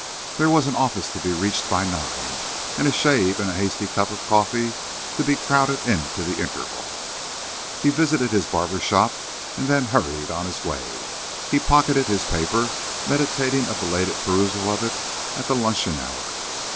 There was an office to be reached by nine, and a shave and a hasty cup of coffee to be crowded into the interval. He visited his barber shop and then hurried on his way. He pocketed his paper, meditating a belated perusal of it at the luncheon hour.